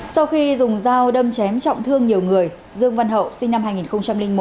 sau khi dùng dao đâm chém trọng thương nhiều người dương văn hậu sinh năm hai nghìn một